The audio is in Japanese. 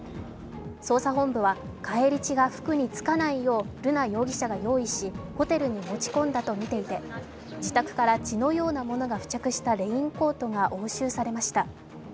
捜査本部は、返り血が服につかないよう瑠奈容疑者が用意し、ホテルに持ち込んだとみていて自宅から血のようなものが付着したレインコートが押収されました。